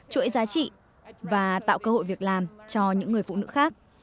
chuỗi giá trị và tạo cơ hội việc làm cho những người phụ nữ khác